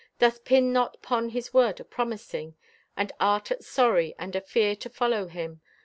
Dost pin not 'pon His word o' promising, And art at sorry and afear to follow Him?